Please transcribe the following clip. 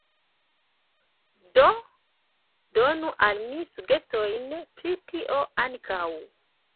Do donu al mi sugestojn pri tio ankaŭ.